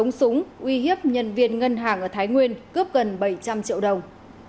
súng uy hiếp nhân viên ngân hàng ở thái nguyên cướp gần bảy trăm linh triệu đồng